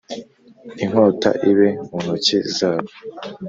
inkota ibe mu ntoki zabo